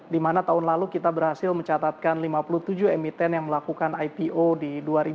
di mana tahun lalu kita berhasil mencatatkan lima puluh tujuh emiten yang melakukan ipo di dua ribu delapan belas